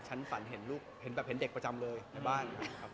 ชัดฝันเห็นลูกเห็นเด็กประจำเลยในบ้าน